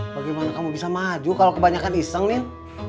bagaimana kamu bisa maju kalau kebanyakan iseng nih